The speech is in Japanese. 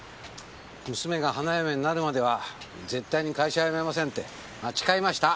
娘が花嫁になるまでは絶対に会社辞めませんって誓いました！